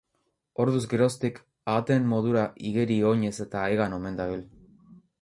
Orduz geroztik, ahateen modura igeri, oinez eta hegan omen dabil.